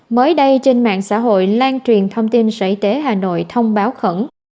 mới đây trên mạng xã hội lan truyền thông tin sở y tế hà nội thông báo khẩn